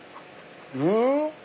うん？